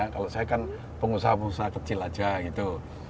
kalau saya kan pengusaha pengusaha kecil aja gitu